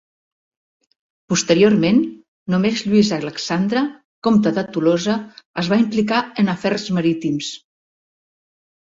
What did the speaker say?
Posteriorment, només Lluís Alexandre, comte de Tolosa, es va implicar en afers marítims.